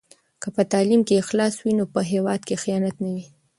که په تعلیم کې اخلاص وي نو په هېواد کې خیانت نه وي.